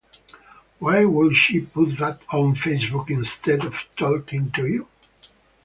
Why would she put that on facebook instead of talking to you?